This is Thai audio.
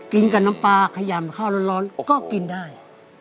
กินกับน้ำปลาขยำข้าวร้อนก็กินได้